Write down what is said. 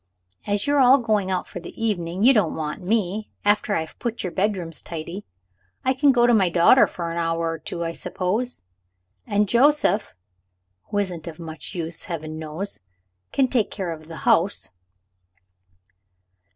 As you are all going out for the evening, you don't want me, after I have put your bedrooms tidy. I can go to my daughter for an hour or two, I suppose and Joseph (who isn't of much use, heaven knows) can take care of the house."